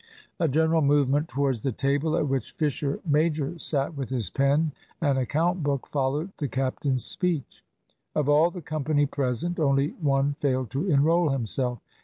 A general movement towards the table at which Fisher major sat with his pen and account book followed the captain's speech. Of all the company present, only one failed to enrol himself.